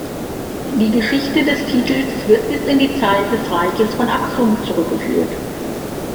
Die Geschichte des Titels wird bis in die Zeit des Reiches von Aksum zurückgeführt.